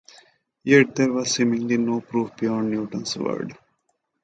Yet there was seemingly no proof beyond Newton's word.